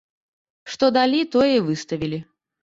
Што далі, тое і выставілі.